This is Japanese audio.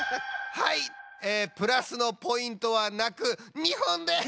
はいえプラスのポイントはなく２ほんです！